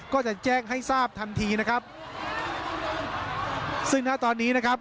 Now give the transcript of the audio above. ก็จะแจ้งให้ทราบทันทีนะครับซึ่งณตอนนี้นะครับ